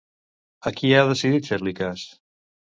A qui ha decidit fer-li cas?